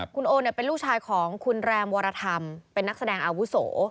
คุณโอเป็นลูกชายของคุณแรมวรธรรมเป็นนักแสดงอาวุโส